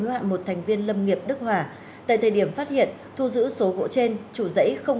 hoạng một thành viên lâm nghiệp đức hòa tại thời điểm phát hiện thu giữ số gỗ trên chủ rẫy không